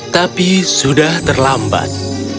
tapi sudah terlambat